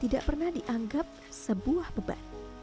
tidak pernah dianggap sebuah beban